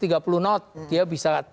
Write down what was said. satu ratus tiga puluh knot dia bisa